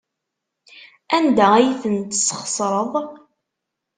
Anda ay ten-tesxeṣreḍ?